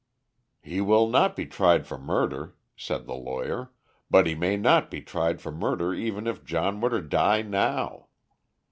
"He will not be tried for murder," said the lawyer, "but he may not be tried for murder even if John were to die now.